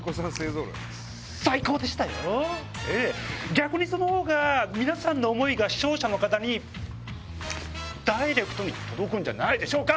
逆にそのほうが皆さんの思いが視聴者の方にダイレクトに届くんじゃないでしょうか？